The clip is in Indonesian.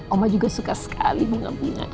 oma juga suka sekali bunga bunga